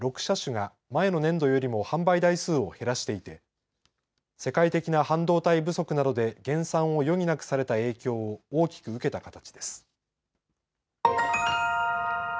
６車種が前の年度よりも販売台数を減らしていて世界的な半導体不足などで減産を余儀なくされた影響を大きく受けた形です。